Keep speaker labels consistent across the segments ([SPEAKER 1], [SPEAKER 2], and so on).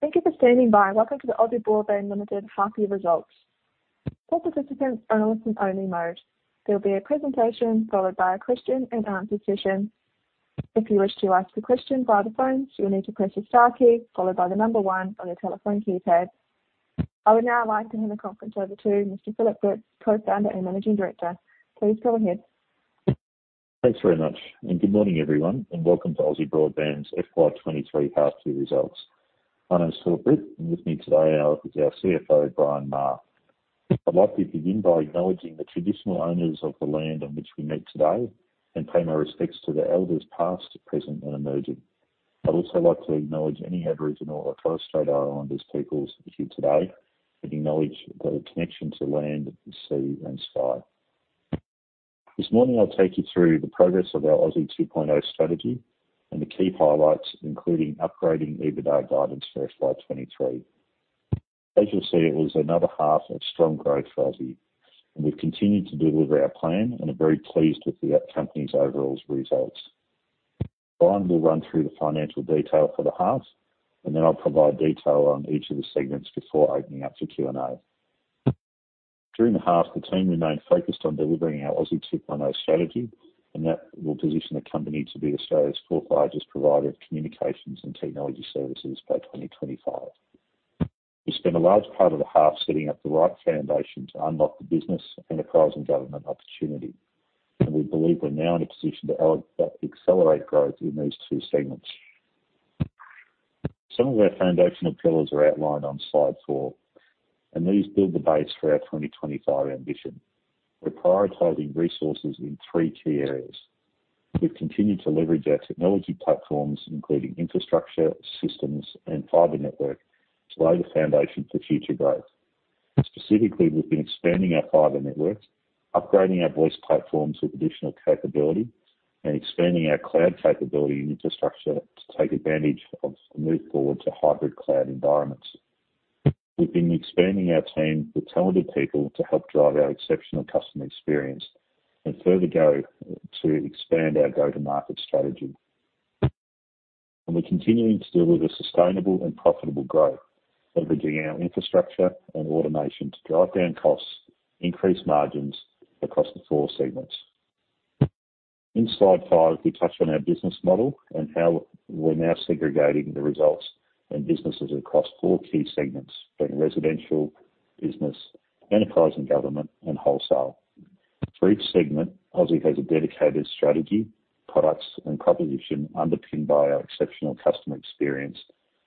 [SPEAKER 1] Thank you for standing by, and welcome to the Aussie Broadband Limited half-year results. All participants are in listen only mode. There will be a presentation followed by a question and answer session. If you wish to ask a question via the phone, you will need to press your star key followed by one on your telephone keypad. I would now like to hand the conference over to Mr. Phillip Britt, Co-founder and Managing Director. Please go ahead.
[SPEAKER 2] Thanks very much. Good morning, everyone, and welcome to Aussie Broadband's FY 2023 half-year results. My name is Phillip Britt, and with me today is our CFO, Brian Maher. I'd like to begin by acknowledging the traditional owners of the land on which we meet today, and pay my respects to the elders past, present, and emerging. I'd also like to acknowledge any Aboriginal or Torres Strait Islanders peoples who are here today, and acknowledge their connection to land, the sea, and sky. This morning I'll take you through the progress of our Aussie 2.0 strategy and the key highlights, including upgrading EBITDA guidance for FY 2023. As you'll see, it was another half of strong growth for Aussie, and we've continued to deliver our plan and are very pleased with the company's overall results. Brian will run through the financial detail for the half, and then I'll provide detail on each of the segments before opening up for Q&A. During the half, the team remained focused on delivering our Aussie 2.0 strategy, and that will position the company to be Australia's fourth-largest provider of communications and technology services by 2025. We spent a large part of the half setting up the right foundation to unlock the business, enterprise and government opportunity. We believe we're now in a position to accelerate growth in these two segments. Some of our foundational pillars are outlined on slide four, and these build the base for our 2025 ambition. We're prioritizing resources in three key areas. We've continued to leverage our technology platforms, including infrastructure, systems, and fiber network, to lay the foundation for future growth. Specifically, we've been expanding our fiber networks, upgrading our voice platforms with additional capability, and expanding our cloud capability and infrastructure to take advantage of the move forward to hybrid cloud environments. We've been expanding our team with talented people to help drive our exceptional customer experience and to expand our go-to-market strategy. We're continuing to deliver sustainable and profitable growth, leveraging our infrastructure and automation to drive down costs, increase margins across the four segments. In slide five, we touch on our business model and how we're now segregating the results and businesses across four key segments, being residential, business, enterprise and government, and wholesale. For each segment, Aussie has a dedicated strategy, products, and proposition underpinned by our exceptional customer experience,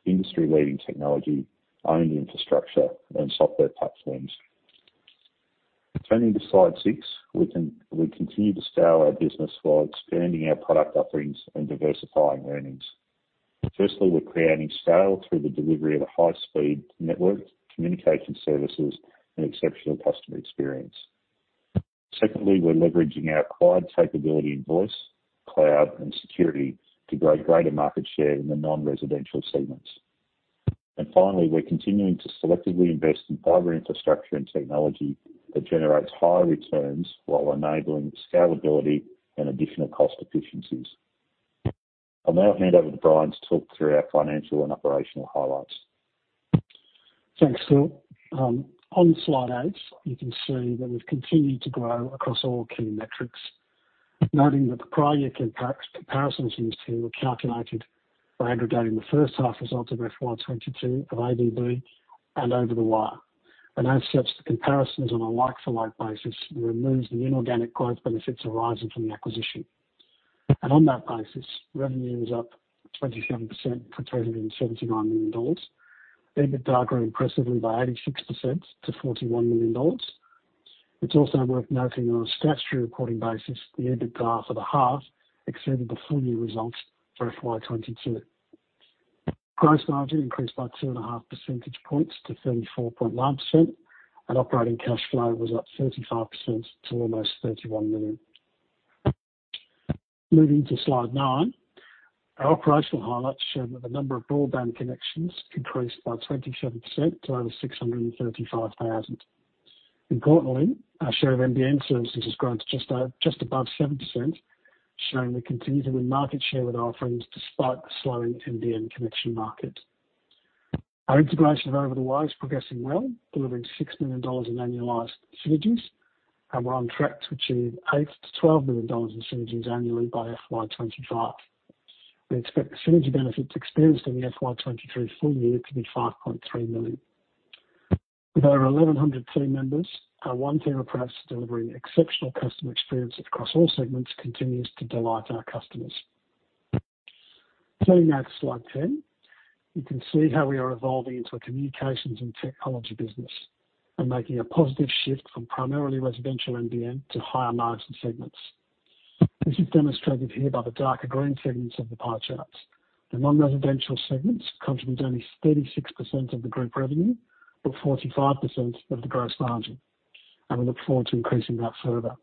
[SPEAKER 2] industry-leading technology, owned infrastructure, and software platforms. Turning to slide six, we continue to scale our business while expanding our product offerings and diversifying earnings. Firstly, we're creating scale through the delivery of a high-speed network, communication services, and exceptional customer experience. Secondly, we're leveraging our acquired capability in voice, cloud, and security to grow greater market share in the non-residential segments. Finally, we're continuing to selectively invest in fiber infrastructure and technology that generates higher returns while enabling scalability and additional cost efficiencies. I'll now hand over to Brian to talk through our financial and operational highlights.
[SPEAKER 3] Thanks, Phil. On slide eight, you can see that we've continued to grow across all key metrics. Noting that the prior year comparisons in this table are calculated by aggregating the first half results of FY 2022 of ABB and Over the Wire. As such, the comparisons on a like-for-like basis removes the inorganic growth benefits arising from the acquisition. On that basis, revenue is up 27% to 279 million dollars. EBITDA grew impressively by 86% to 41 million dollars. It's also worth noting on a statutory reporting basis, the EBITDA for the half exceeded the full-year results for FY 2022. Gross margin increased by 2.5 percentage points to 34.9%, and operating cash flow was up 35% to almost 31 million. Moving to slide nine. Our operational highlights show that the number of broadband connections increased by 27% to over 635,000. Importantly, our share of NBN services has grown to just above 7%, showing we continue to win market share with our offerings despite the slowing NBN connection market. Our integration of Over the Wire is progressing well, delivering 6 million dollars in annualized synergies. We're on track to achieve 8 million-12 million dollars in synergies annually by FY 2025. We expect the synergy benefits experienced in the FY 2023 full-year to be 5.3 million. With our 1,100 team members, our one purpose of delivering exceptional customer experience across all segments continues to delight our customers. Turning now to slide 10, you can see how we are evolving into a communications and technology business and making a positive shift from primarily residential NBN to higher margin segments. This is demonstrated here by the darker green segments of the pie charts. The non-residential segments contribute only 36% of the group revenue, but 45% of the gross margin, and we look forward to increasing that further.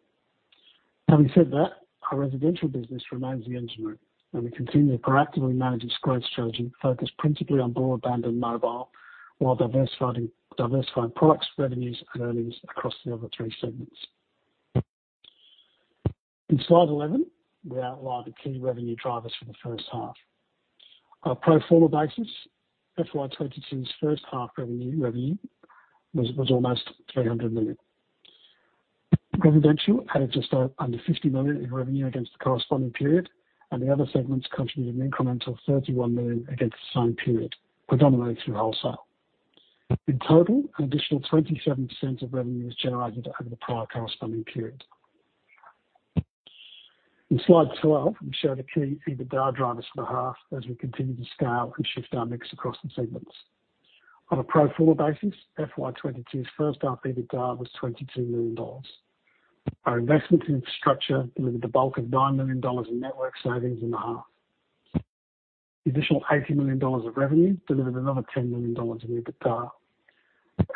[SPEAKER 3] Having said that, our residential business remains the engine room, and we continue to proactively manage its growth strategy, focused principally on broadband and mobile, while diversifying products, revenues, and earnings across the other three segments. In slide 11, we outline the key revenue drivers for the first half. Our pro forma basis, FY 2022's first half revenue was almost 300 million. Residential added just under 50 million in revenue against the corresponding period. The other segments contributed an increment of 31 million against the same period, predominantly through wholesale. In total, an additional 27% of revenue was generated over the prior corresponding period. In slide 12, we show the key EBITDA drivers for the half as we continue to scale and shift our mix across the segments. On a pro forma basis, FY 2022's first half EBITDA was 22 million dollars. Our investment in infrastructure delivered the bulk of 9 million dollars in network savings in the half. The additional 80 million dollars of revenue delivered another 10 million dollars in EBITDA.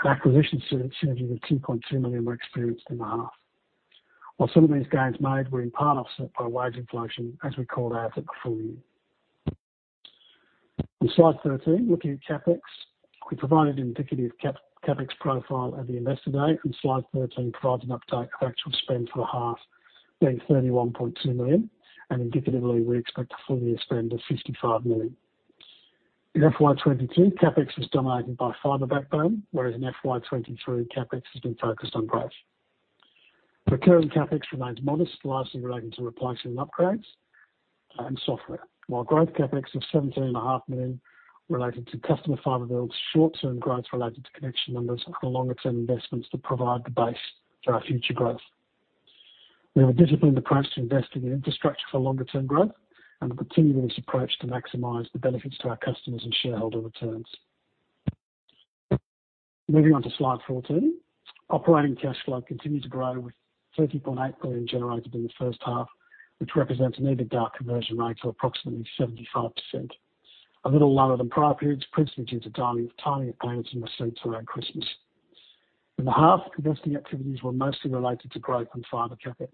[SPEAKER 3] Acquisition synergy of 2.2 million were experienced in the half. While some of these gains made were in part offset by wage inflation, as we called out at the full-year. In slide 13, looking at CapEx, we provided an indicative CapEx profile at the investor day. Slide 13 provides an update of actual spend for the half being 31.2 million. Indicatively, we expect a full-year spend of 55 million. In FY 2022, CapEx was dominated by fiber backbone, whereas in FY 2023, CapEx has been focused on growth. Recurring CapEx remains modest, largely relating to replacement and upgrades and software. Growth CapEx of 17.5 million related to customer fiber builds, short-term growth related to connection numbers, and the longer-term investments to provide the base for our future growth. We have a disciplined approach to investing in infrastructure for longer-term growth and will continue with this approach to maximize the benefits to our customers and shareholder returns. Moving on to slide 14. Operating cash flow continued to grow with 30.8 million generated in the first half, which represents an EBITDA conversion rate of approximately 75%. A little lower than prior periods, principally due to timing of payments and receipts around Christmas. In the half, investing activities were mostly related to growth and fiber CapEx.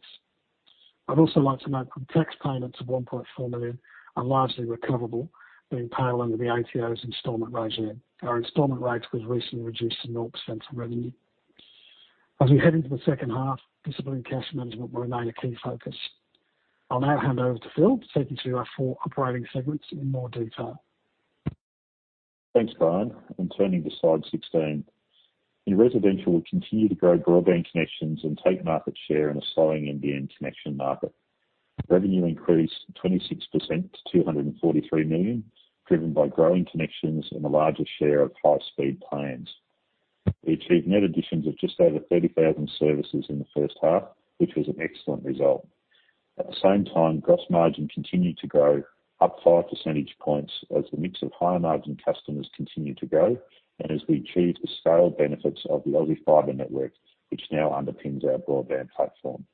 [SPEAKER 3] I'd also like to note that tax payments of 1.4 million are largely recoverable, being paid under the ATO's installment regime. Our installment rate was recently reduced to 0% of revenue. As we head into the second half, disciplined cash management will remain a key focus. I'll now hand over to Phil to take you through our four operating segments in more detail.
[SPEAKER 2] Thanks, Brian. Turning to slide 16. In residential, we continue to grow broadband connections and take market share in a slowing NBN connection market. Revenue increased 26% to 243 million, driven by growing connections and a larger share of high-speed plans. We achieved net additions of just over 30,000 services in the first half, which was an excellent result. At the same time, gross margin continued to grow up five percentage points as the mix of higher-margin customers continued to grow, and as we achieved the scaled benefits of the Aussie Fibre network, which now underpins our broadband platform.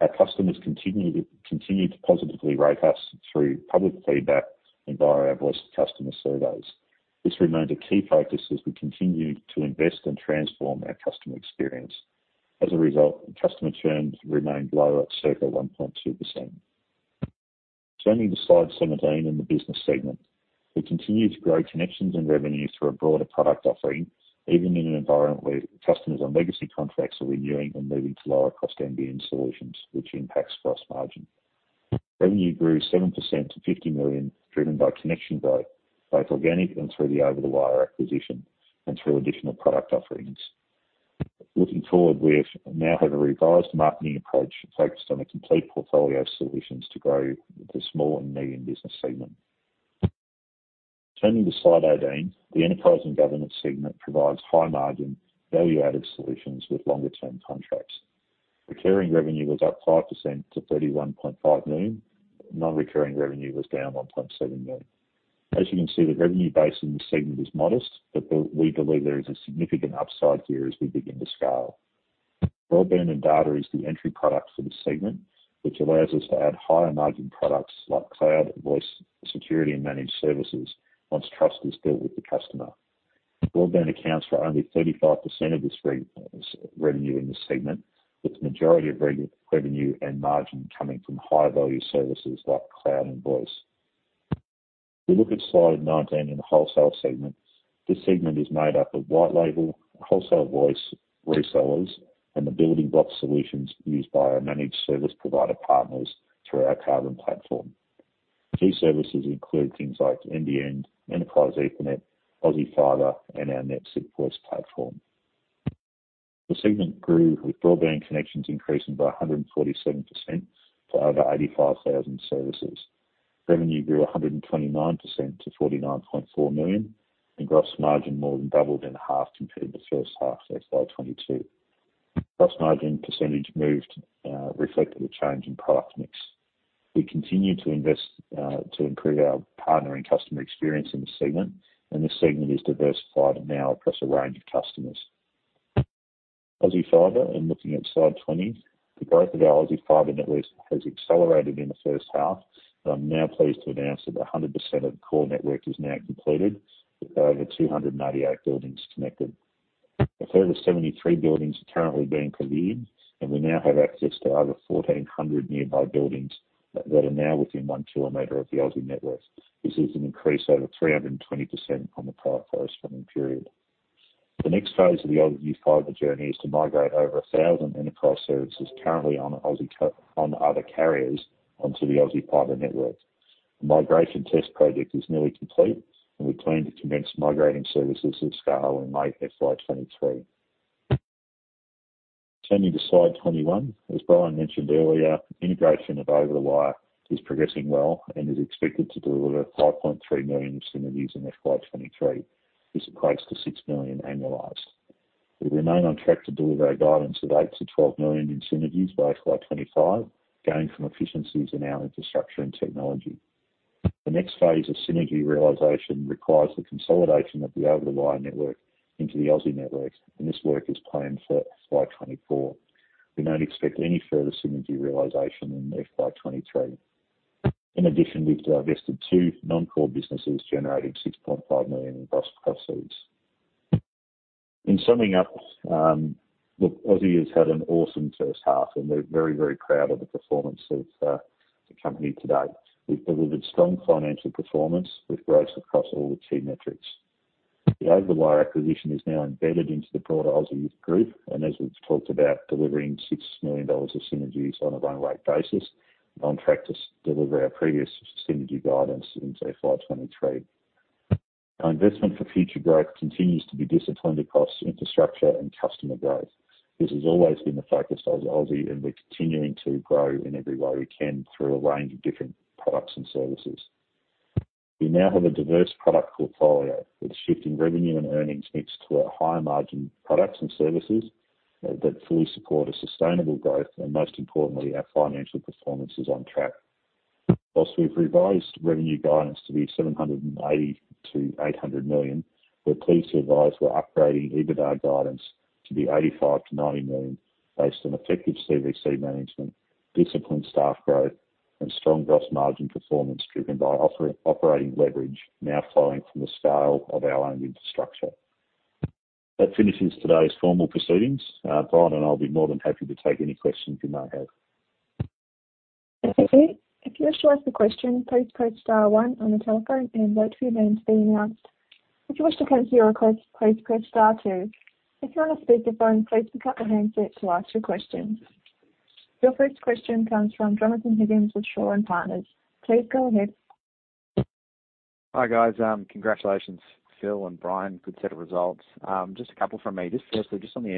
[SPEAKER 2] Our customers continue to positively rate us through public feedback and via our voice customer surveys. This remains a key focus as we continue to invest and transform our customer experience. As a result, customer churn remained low at circa 1.2%. Turning to slide 17 in the business segment. We continue to grow connections and revenues through a broader product offering, even in an environment where customers on legacy contracts are renewing and moving to lower cost NBN solutions, which impacts gross margin. Revenue grew 7% to 50 million, driven by connection growth, both organic and Over the Wire acquisition and through additional product offerings. Looking forward, we now have a revised marketing approach focused on a complete portfolio of solutions to grow the small and medium business segment. Turning to slide 18. The enterprise and government segment provides high margin, value-added solutions with longer term contracts. Recurring revenue was up 5% to 31.5 million. Non-recurring revenue was down 1.7 million. As you can see, the revenue base in this segment is modest, we believe there is a significant upside here as we begin to scale. Broadband and data is the entry product for the segment, which allows us to add higher margin products like cloud, voice, security, and managed services once trust is built with the customer. Broadband accounts for only 35% of this revenue in this segment, with the majority of revenue and margin coming from higher value services like cloud and voice. If we look at slide 19 in the wholesale segment. This segment is made up of white label, wholesale voice resellers, and the building block solutions used by our managed service provider partners through our Carbon platform. These services include things like NBN, Enterprise Ethernet, Aussie Fibre, and our NetSec force platform. The segment grew with broadband connections increasing by 147% to over 85,000 services. Revenue grew 129% to 49.4 million, gross margin more than doubled in half compared to the first half of FY 2022. Gross margin percentage moved, reflected a change in product mix. We continue to invest to improve our partner and customer experience in this segment, this segment is diversified now across a range of customers. Aussie Fibre looking at slide 20. The growth of our Aussie Fibre network has accelerated in the first half, I'm now pleased to announce that 100% of the core network is now completed with over 288 buildings connected. A further 73 buildings are currently being collocated, and we now have access to over 1,400 nearby buildings that are now within 1 km of the Aussie network. This is an increase over 320% on the prior corresponding period. The next phase of the Aussie Fibre journey is to migrate over 1,000 enterprise services currently on other carriers onto the Aussie Fibre network. Migration test project is nearly complete, and we plan to commence migrating services at scale in May FY 2023. Turning to slide 21. As Brian mentioned earlier, Over the Wire is progressing well and is expected to deliver $5.3 million synergies in FY 2023. This equates to $6 million annualized. We remain on track to deliver our guidance of $8 million-$12 million in synergies by FY 2025, gaining from efficiencies in our infrastructure and technology. The next phase of synergy realization requires the consolidation Over the Wire network into the Aussie network, and this work is planned for FY 2024. We don't expect any further synergy realization in FY 2023. In addition, we've divested two non-core businesses, generating 6.5 million in gross proceeds. In summing up, look, Aussie has had an awesome first half, and we're very, very proud of the performance of the company to date. We've delivered strong financial performance with growth across all the key Over the Wire acquisition is now embedded into the broader Aussie group, and as we've talked about delivering 6 million dollars of synergies on a run rate basis, on track to deliver our previous synergy guidance in say, FY 2023. Our investment for future growth continues to be disciplined across infrastructure and customer growth. This has always been the focus of Aussie, we're continuing to grow in every way we can through a range of different products and services. We now have a diverse product portfolio with shifting revenue and earnings mix to our higher margin products and services that fully support a sustainable growth, most importantly, our financial performance is on track. Whilst we've revised revenue guidance to be 780 million-800 million, we're pleased to advise we're upgrading EBITDA guidance to be 85 million-90 million based on effective CVC management, disciplined staff growth and strong gross margin performance driven by operating leverage now flowing from the scale of our own infrastructure. That finishes today's formal proceedings. Brian and I'll be more than happy to take any questions you may have.
[SPEAKER 1] If you wish to ask a question, please press star one on the telephone and wait for your name to be announced. If you wish to come off your request, please press star two. If you're on a speakerphone, please pick up the handset to ask your questions. Your first question comes from Jonathon Higgins with Shaw and Partners. Please go ahead.
[SPEAKER 4] Hi, guys. Congratulations, Phil and Brian. Good set of results. Just a couple from me. Just firstly, just on the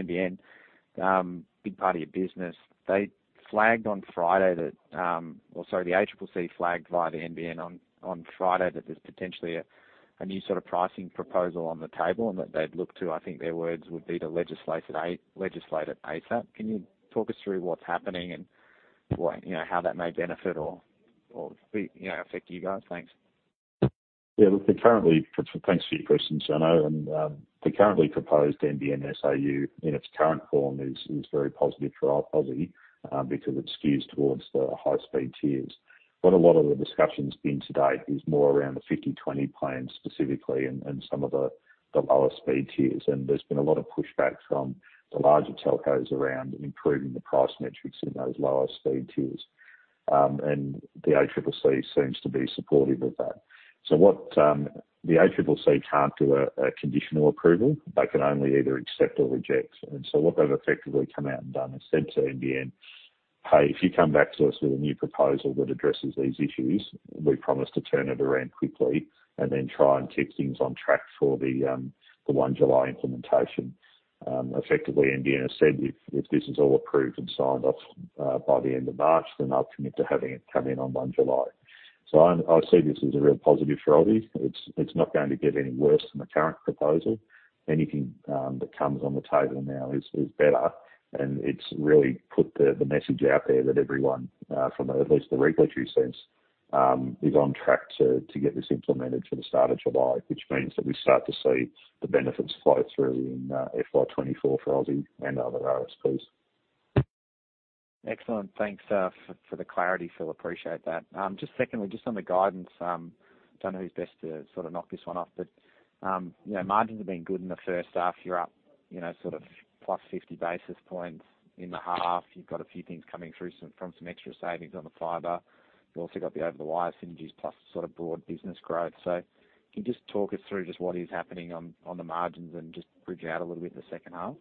[SPEAKER 4] NBN, big part of your business. They flagged on Friday that or sorry, the ACCC flagged via the NBN on Friday that there's potentially a new sort of pricing proposal on the table and that they'd look to, I think, their words would be to legislate at ASAP. Can you talk us through what's happening and what, you know, how that may benefit or, you know, affect you guys? Thanks.
[SPEAKER 2] Yeah, look, they're currently thanks for your question, Jonathon. The currently proposed NBN SAU in its current form is very positive for Aussie because it skews towards the high speed tiers. What a lot of the discussion's been to date is more around the 50/20 plan specifically and some of the lower speed tiers. There's been a lot of pushback from the larger telcos around improving the price metrics in those lower speed tiers. The ACCC seems to be supportive of that. The ACCC can't do a conditional approval. They can only either accept or reject. What they've effectively come out and done is said to NBN, "Hey, if you come back to us with a new proposal that addresses these issues, we promise to turn it around quickly and then try and keep things on track for the 1 July implementation." Effectively, NBN has said if this is all approved and signed off by the end of March, then they'll commit to having it come in on 1 July. I see this as a real positive for Aussie. It's not going to get any worse than the current proposal. Anything that comes on the table now is better, and it's really put the message out there that everyone from at least the regulatory sense is on track to get this implemented for the start of July, which means that we start to see the benefits flow through in FY 2024 for Aussie and other ISPs.
[SPEAKER 4] Excellent. Thanks for the clarity, Phil. Appreciate that. Just secondly, just on the guidance, don't know who's best to sort of knock this one off, but, you know, margins have been good in the first half. You're up, you know, sort of plus 50 basis points in the half. You've got a few things coming through from some extra savings on the fiber. You've also Over the Wire synergies plus sort of broad business growth. Can you just talk us through just what is happening on the margins and just bridge out a little bit in the second half?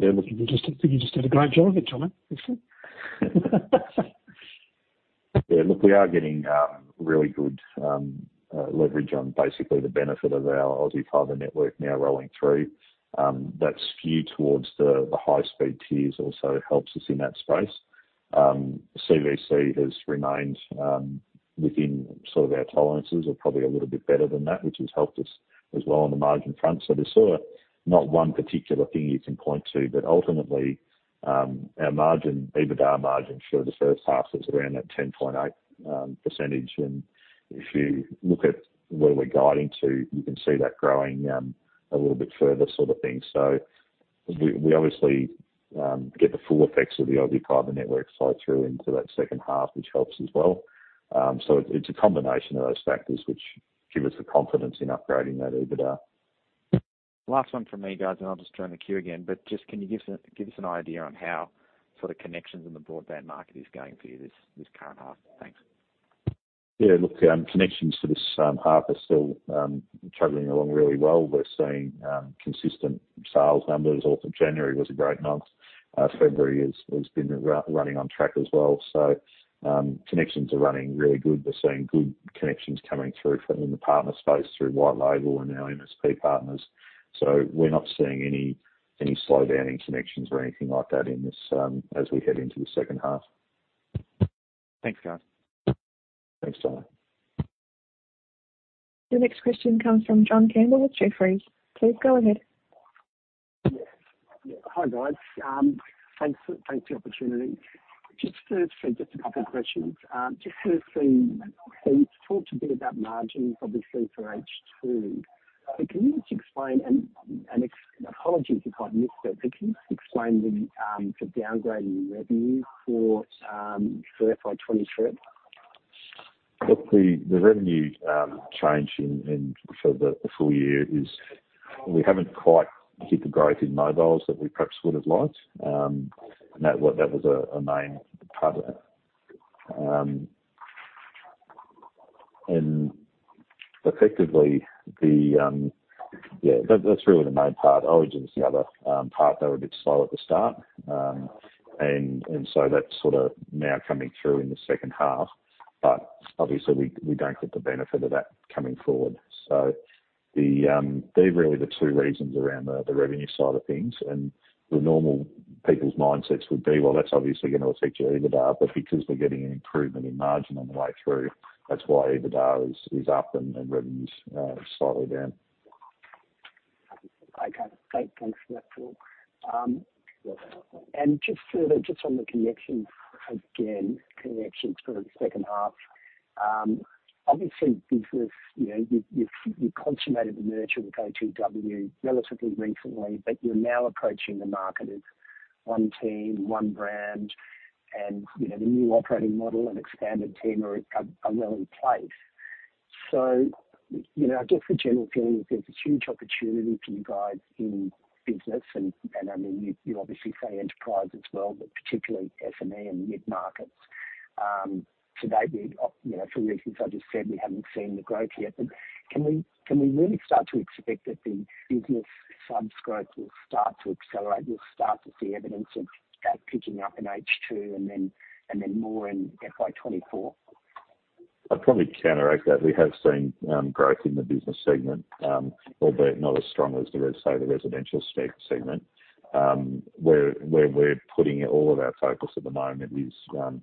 [SPEAKER 3] Look, you just did a great job of it, Jonathon.
[SPEAKER 2] Yeah. Look, we are getting really good leverage on basically the benefit of our Aussie Fibre network now rolling through, that skew towards the high speed tiers also helps us in that space. CVC has remained within sort of our tolerances or probably a little bit better than that, which has helped us as well on the margin front. There's sort of not one particular thing you can point to, but ultimately, our EBITDA margin for the first half was around that 10.8%. If you look at where we're guiding to, you can see that growing a little bit further sort of thing. We, we obviously, get the full effects of the Aussie Fibre network flow through into that second half, which helps as well. It's a combination of those factors which give us the confidence in upgrading that EBITDA.
[SPEAKER 4] Last one from me, guys, and I'll just join the queue again, but just can you give us an idea on how sort of connections in the broadband market is going for you this current half? Thanks.
[SPEAKER 2] Yeah, look, connections to this half are still traveling along really well. We're seeing consistent sales numbers off of January was a great month. February has been running on track as well. Connections are running really good. We're seeing good connections coming through from in the partner space through white label and our MSP partners. We're not seeing any slowdown in connections or anything like that in this as we head into the second half.
[SPEAKER 4] Thanks, guys.
[SPEAKER 2] Thanks, Jonathon.
[SPEAKER 1] The next question comes from John Campbell with Jefferies. Please go ahead.
[SPEAKER 5] Hi, guys. Thanks for, thanks for the opportunity. Just a couple of questions. Just to see, you've talked a bit about margins, obviously for H2. Can you just explain and apologies if I've missed it, but can you just explain the downgrade in revenue for FY 2023?
[SPEAKER 2] Look, the revenue change for the full-year is we haven't quite hit the growth in mobiles that we perhaps would have liked. That was a main part of it. Effectively the, yeah, that's really the main part. Aussie was the other part. They were a bit slow at the start. So that's sort of now coming through in the second half. Obviously we don't get the benefit of that coming forward. The, they're really the two reasons around the revenue side of things. The normal people's mindsets would be, well, that's obviously gonna affect your EBITDA, but because we're getting an improvement in margin on the way through, that's why EBITDA is up and revenue's slightly down.
[SPEAKER 5] Okay. Thanks for that Phil. Just further, just on the connections again, connections for the second half. Obviously business, you know, you've consummated the merger with O2W relatively recently, but you're now approaching the market as one team, one brand and, you know, the new operating model and expanded team are well in place. You know, I guess the general feeling is there's a huge opportunity for you guys in business and, I mean, you obviously say enterprise as well, but particularly SME and mid-markets. To date, we've, you know, for the reasons I just said, we haven't seen the growth yet. Can we really start to expect that the business subscribe will start to accelerate? We'll start to see evidence of that picking up in H2 and then more in FY 2024.
[SPEAKER 2] I'd probably counteract that. We have seen growth in the business segment, albeit not as strong as say the residential segment. Where we're putting all of our focus at the moment is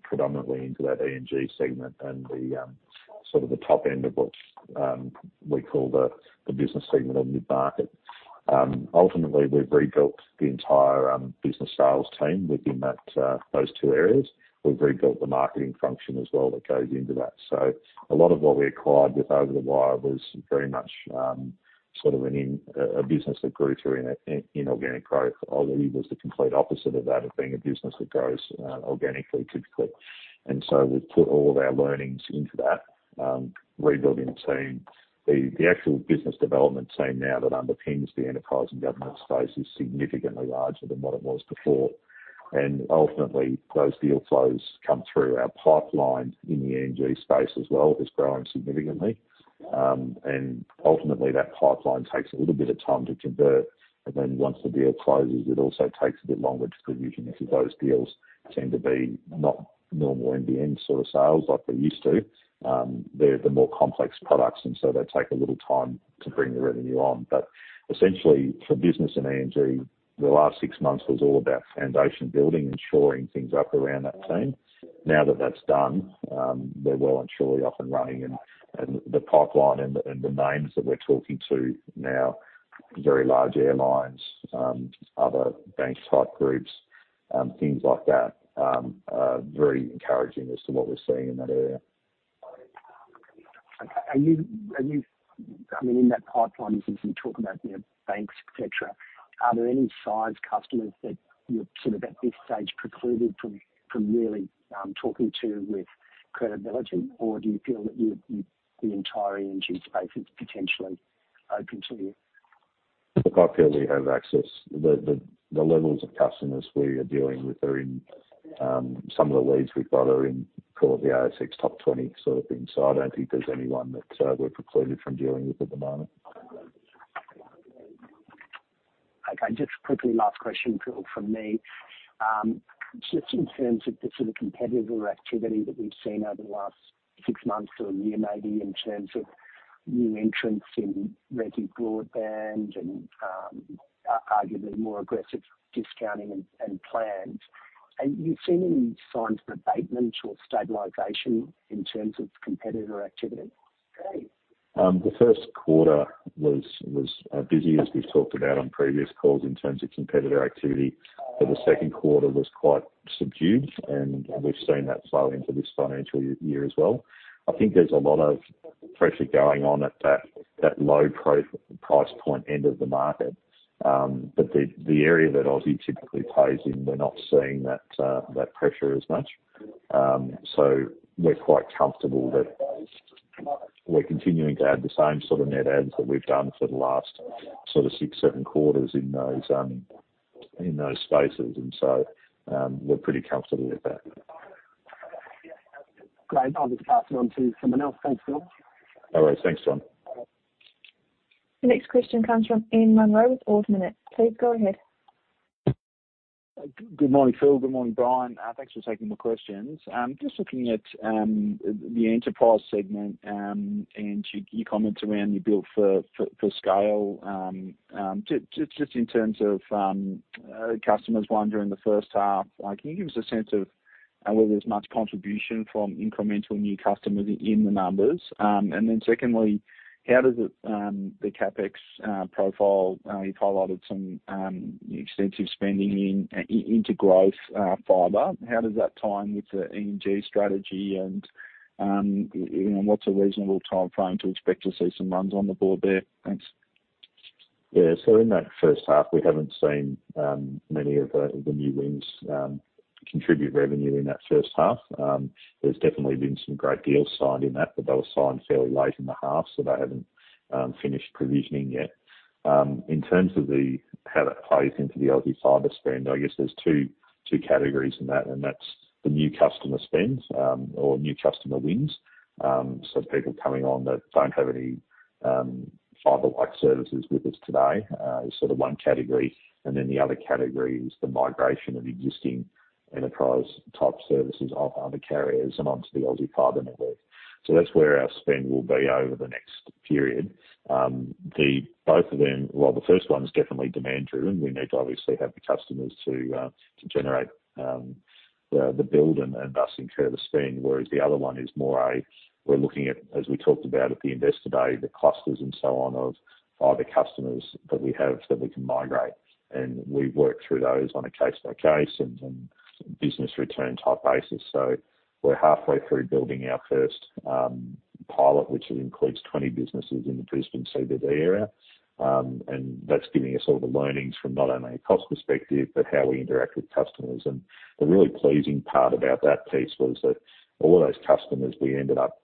[SPEAKER 2] predominantly into that E&G segment and the sort of the top end of what we call the business segment or mid-market. Ultimately, we've rebuilt the entire business sales team within that, those two areas. We've rebuilt the marketing function as well that goes into that. A lot of what we acquired with Over the Wire was very much sort of a business that grew through inorganic growth. Aussie was the complete opposite of that, of being a business that grows organically, typically. We've put all of our learnings into that, rebuilding the team. The actual business development team now that underpins the enterprise and government space is significantly larger than what it was before. Ultimately those deal flows come through our pipeline in the E&G space as well, is growing significantly. Ultimately that pipeline takes a little bit of time to convert. Then once the deal closes, it also takes a bit longer to provisioning because those deals tend to be not normal NBN sort of sales like they used to. They're the more complex products, and so they take a little time to bring the revenue on. Essentially for business and E&G, the last six months was all about foundation building and shoring things up around that team. Now that that's done, they're well and surely up and running and the pipeline and the, and the names that we're talking to now, very large airlines, other bank type groups, things like that, are very encouraging as to what we're seeing in that area.
[SPEAKER 5] Okay. Are you, I mean, in that pipeline business you talk about, you know, banks, et cetera, are there any size customers that you're sort of at this stage precluded from really talking to with credibility? Or do you feel that you, the entire E&G space is potentially open to you?
[SPEAKER 2] Look, I feel we have access. The levels of customers we are dealing with are in, some of the leads we've got are in call it the ASX top 20 sort of thing. I don't think there's anyone that we're precluded from dealing with at the moment.
[SPEAKER 5] Okay. Just quickly, last question, Phil, from me. Just in terms of the sort of competitive activity that we've seen over the last six months to one year maybe in terms of new entrants in resi broadband and arguably more aggressive discounting and plans. Are you seeing any signs of abatement or stabilization in terms of competitor activity?
[SPEAKER 2] The first quarter was busy, as we've talked about on previous calls in terms of competitor activity. The second quarter was quite subdued and we've seen that flow into this financial year as well. I think there's a lot of pressure going on at that low price point end of the market. The area that Aussie typically plays in, we're not seeing that pressure as much. We're quite comfortable that we're continuing to add the same sort of net adds that we've done for the last sort of six, seven quarters in those In those spaces. We're pretty comfortable with that.
[SPEAKER 5] Great. I'll just pass it on to someone else. Thanks, Phil.
[SPEAKER 2] All right. Thanks, John.
[SPEAKER 1] The next question comes from Ian Munro with Ord Minnett. Please go ahead.
[SPEAKER 6] Good morning, Phil. Good morning, Brian. Thanks for taking the questions. Just looking at the enterprise segment and your comments around you build for scale. Just in terms of customers wondering the first half, like can you give us a sense of whether there's much contribution from incremental new customers in the numbers? Secondly, how does the CapEx profile you've highlighted some extensive spending into growth fiber tie in with the E&G strategy? You know, what's a reasonable timeframe to expect to see some runs on the board there? Thanks.
[SPEAKER 2] In that first half, we haven't seen many of the new wins contribute revenue in that first half. There's definitely been some great deals signed in that, but they were signed fairly late in the half, so they haven't finished provisioning yet. In terms of how that plays into the Aussie Fibre spend, I guess there's two categories in that, and that's the new customer spends or new customer wins. People coming on that don't have any fiber-like services with us today is sort of one category. The other category is the migration of existing enterprise type services off other carriers and onto the Aussie Fibre network. That's where our spend will be over the next period. Both of them. Well, the first one is definitely demand driven. We need to obviously have the customers to generate the build and thus incur the spend, whereas the other one is more a, we're looking at, as we talked about at the investor day, the clusters and so on of fiber customers that we have that we can migrate. We work through those on a case by case and business return type basis. We're halfway through building our first pilot, which includes 20 businesses in the Brisbane CBD area. That's giving us all the learnings from not only a cost perspective, but how we interact with customers. The really pleasing part about that piece was that all of those customers we ended up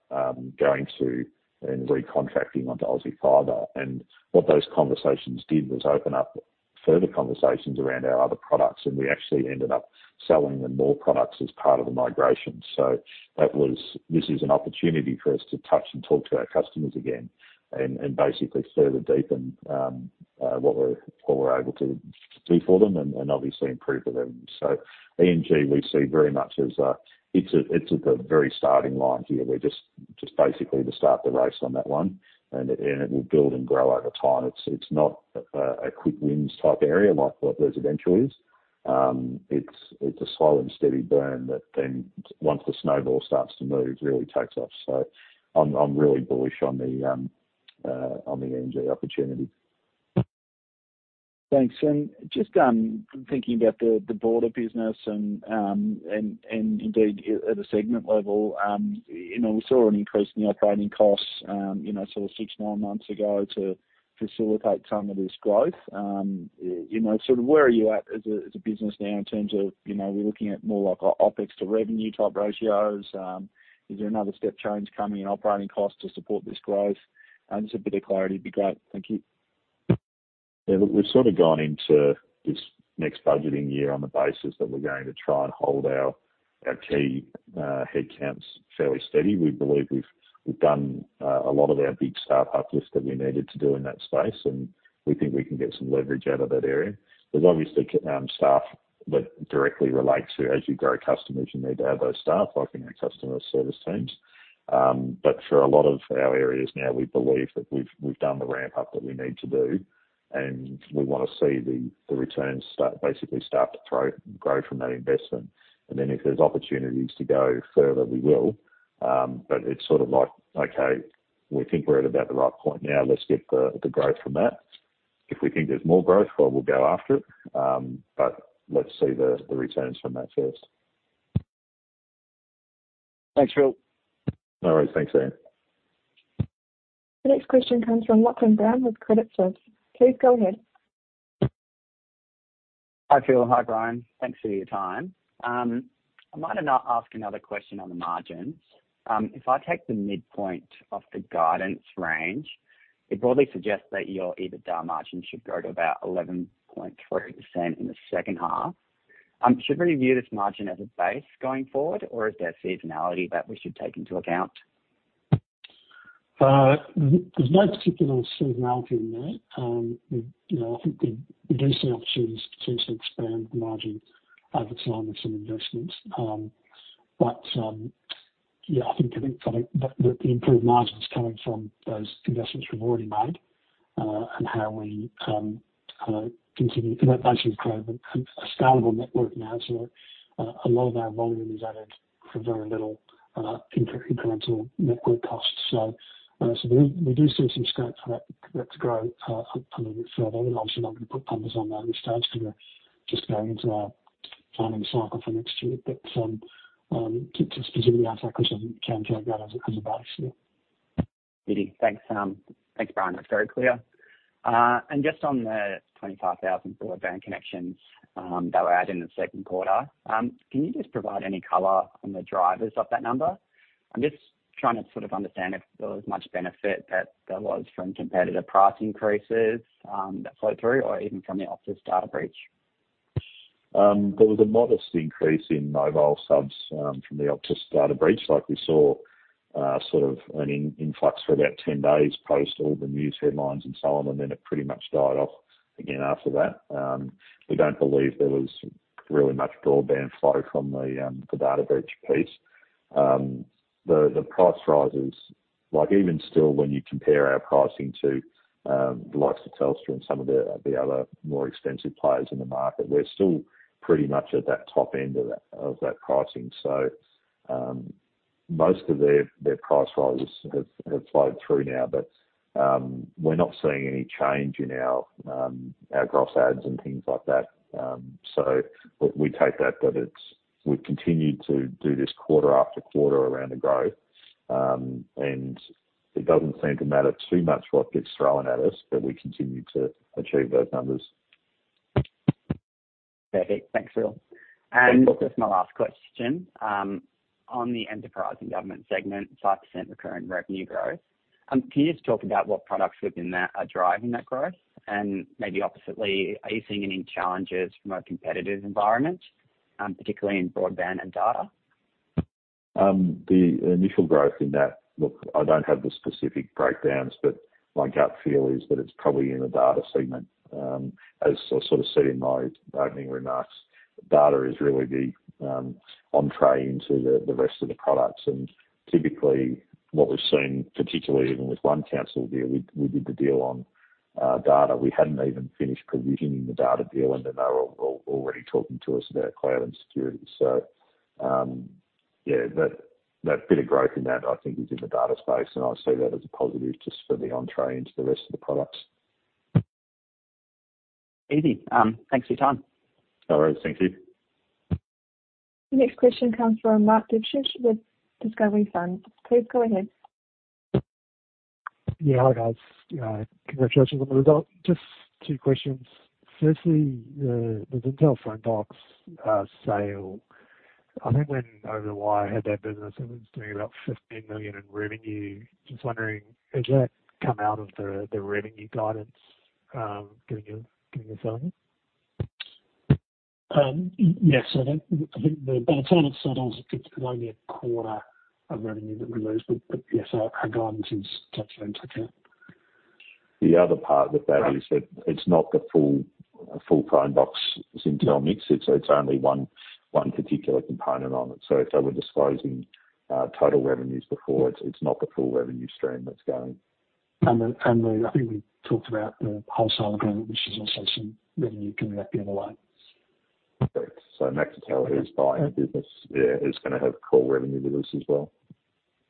[SPEAKER 2] going to and recontracting onto Aussie Fibre. What those conversations did was open up further conversations around our other products, and we actually ended up selling them more products as part of the migration. This is an opportunity for us to touch and talk to our customers again and basically further deepen what we're able to do for them and obviously improve the revenue. E&G, we see very much as it's at the very starting line here. We're just basically to start the race on that one and it will build and grow over time. It's not a quick wins type area like what residential is. It's a slow and steady burn that then once the snowball starts to move, really takes off. I'm really bullish on the E&G opportunity.
[SPEAKER 6] Thanks. Just thinking about the broader business and, and indeed at a segment level, you know, we saw an increase in the operating costs, you know, sort of six, nine months ago to facilitate some of this growth. You know, sort of where are you at as a, as a business now in terms of, you know, we're looking at more like OpEx to revenue type ratios. Is there another step change coming in operating costs to support this growth? Just a bit of clarity would be great. Thank you.
[SPEAKER 2] Yeah. Look, we've sort of gone into this next budgeting year on the basis that we're going to try and hold our key headcounts fairly steady. We believe we've done a lot of our big start-up lifts that we needed to do in that space, and we think we can get some leverage out of that area. There's obviously staff that directly relate to as you grow customers, you need to have those staff, like in our customer service teams. But for a lot of our areas now, we believe that we've done the ramp up that we need to do, and we wanna see the returns start, basically start to throw growth from that investment. Then if there's opportunities to go further, we will. It's sort of like, okay, we think we're at about the right point now, let's get the growth from that. If we think there's more growth, well, we'll go after it. Let's see the returns from that first.
[SPEAKER 6] Thanks, Phil.
[SPEAKER 2] No worries. Thanks, Ian.
[SPEAKER 1] The next question comes from Joaquin Brown with Credit Suisse. Please go ahead.
[SPEAKER 7] Hi, Phil. Hi, Brian. Thanks for your time. I might ask another question on the margins. If I take the midpoint of the guidance range, it broadly suggests that your EBITDA margin should grow to about 11.3% in the second half. Should we view this margin as a base going forward, or is there seasonality that we should take into account?
[SPEAKER 3] There's no particular seasonality in that. We, you know, I think we do see opportunities to expand margin over time with some investments. But, yeah, I think probably the improved margins coming from those investments we've already made, and how we continue innovation is kind of a scalable network now. A lot of our volume is added for very little incremental network costs. So we do see some scope for that to grow a little bit further. Obviously I'm gonna put numbers on that at this stage 'cause we're just going into our planning cycle for next year. But to specifically answer that question, you can take that as a base, yeah.
[SPEAKER 7] Thanks. Thanks, Brian. That's very clear. Just on the 25,000 broadband connections that were added in the second quarter, can you just provide any color on the drivers of that number? I'm just trying to sort of understand if there was much benefit that there was from competitive price increases that flow through or even from the Optus data breach.
[SPEAKER 2] There was a modest increase in mobile subs, from the Optus data breach. Like we saw, sort of an influx for about 10 days, post all the news headlines and so on, then it pretty much died off again after that. We don't believe there was really much broadband flow from the data breach piece. The price rises, like even still when you compare our pricing to the likes of Telstra and some of the other more extensive players in the market, we're still pretty much at that top end of that pricing. Most of their price rises have flowed through now. We're not seeing any change in our gross adds and things like that. We take that it's we've continued to do this quarter after quarter around the growth, it doesn't seem to matter too much what gets thrown at us that we continue to achieve those numbers.
[SPEAKER 7] Perfect. Thanks, Phil. This is my last question. On the enterprise and government segment, 5% recurring revenue growth. Can you just talk about what products within that are driving that growth? Maybe oppositely, are you seeing any challenges from a competitive environment, particularly in broadband and data?
[SPEAKER 2] The initial growth in that... Look, I don't have the specific breakdowns, but my gut feel is that it's probably in the data segment. As I sort of said in my opening remarks, data is really the entrée into the rest of the products. Typically what we've seen, particularly even with one council deal, we did the deal on data. We hadn't even finished provisioning the data deal, and then they were already talking to us about cloud and security. Yeah, that bit of growth in that I think is in the data space, and I see that as a positive just for the entrée into the rest of the products.
[SPEAKER 7] Easy. Thanks for your time.
[SPEAKER 2] No worries. Thank you.
[SPEAKER 1] The next question comes from Mark Devcich with Discovery Funds. Please go ahead.
[SPEAKER 8] Yeah. Hi, guys. Congratulations on the result. Just two questions. Firstly, the Zintel phone box sale, I think when Over the Wire had that business, it was doing about 15 million in revenue. Just wondering, has that come out of the revenue guidance, giving you selling?
[SPEAKER 3] Yes. I think the by the time it's settled, it's only a quarter of revenue that we lose. Yes, our guidance has taken that into account.
[SPEAKER 2] The other part of that is that it's not the full phone box Zintel mix. It's only one particular component on it. If they were disclosing, total revenues before, it's not the full revenue stream that's going.
[SPEAKER 8] I think we talked about the wholesale agreement, which is also some revenue coming back the other way.
[SPEAKER 2] Great. Zintel, who's buying the business, yeah, is gonna have core revenue with this as well.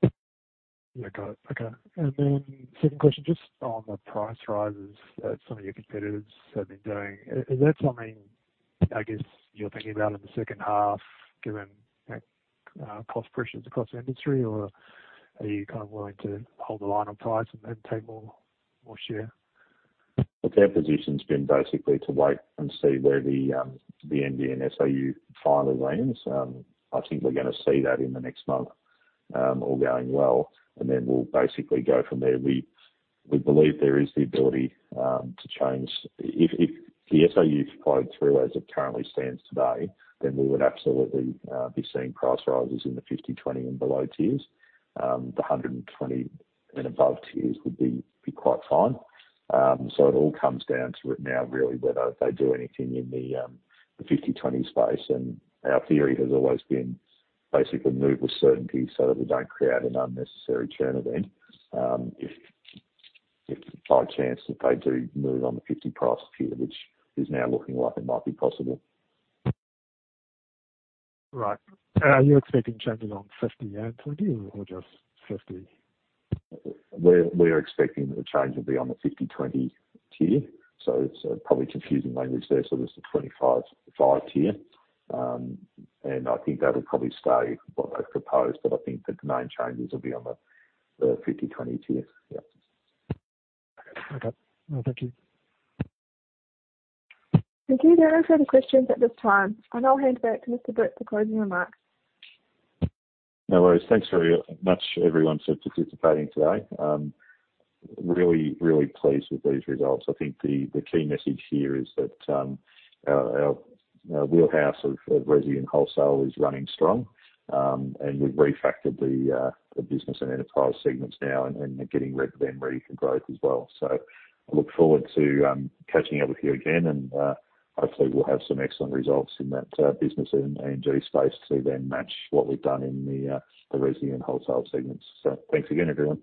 [SPEAKER 8] Yeah. Got it. Okay. Second question, just on the price rises that some of your competitors have been doing. Is that something, I guess, you're thinking about in the second half, given, you know, cost pressures across the industry? Or are you kind of willing to hold the line on price and then take more share?
[SPEAKER 2] Look, our position's been basically to wait and see where the NBN SAU finally lands. I think we're gonna see that in the next month, all going well, and then we'll basically go from there. We believe there is the ability to change. If the SAU follows through as it currently stands today, then we would absolutely be seeing price rises in the 50, 20, and below tiers. The 120 and above tiers would be quite fine. It all comes down to it now really whether they do anything in the 50, 20 space. Our theory has always been basically move with certainty so that we don't create an unnecessary churn event, if by chance if they do move on the 50 price tier, which is now looking like it might be possible.
[SPEAKER 8] Right. Are you expecting changes on 50 and 20 or just 50?
[SPEAKER 2] We're expecting the change will be on the 50/20 tier. It's probably confusing language there. There's the 25/5 tier. I think that'll probably stay what they've proposed, but I think the main changes will be on the 50/20 tier. Yeah.
[SPEAKER 8] Okay. All right. Thank you.
[SPEAKER 1] Thank you. There are no further questions at this time. I'll hand back to Mr. Britt for closing remarks.
[SPEAKER 2] No worries. Thanks very much, everyone, for participating today. Really, really pleased with these results. I think the key message here is that our wheelhouse of resi and wholesale is running strong. We've refactored the business and enterprise segments now and are getting them ready for growth as well. I look forward to catching up with you again, and hopefully we'll have some excellent results in that business and E&G space to then match what we've done in the resi and wholesale segments. Thanks again, everyone.